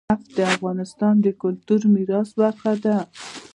نفت د افغانستان د کلتوري میراث برخه ده.